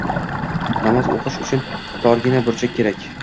«Namoz o‘qish uchun torgina burchak kerak.